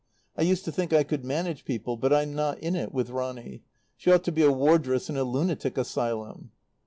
I used to think I could manage people, but I'm not in it with Ronny. She ought to be a wardress in a lunatic asylum."